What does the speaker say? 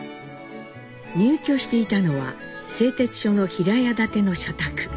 入居していたのは製鉄所の平屋建ての社宅。